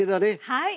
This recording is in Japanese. はい。